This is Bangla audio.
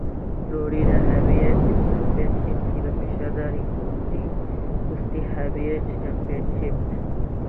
ফ্লোরিডা হেভিওয়েট চ্যাম্পিয়নশিপ ছিল পেশাদারি কুস্তি হেভিওয়েট চ্যাম্পিয়নশিপ।